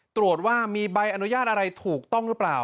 ตรวจว่ามีใบอนุญาตอะไรถูกต้องหรือเปล่า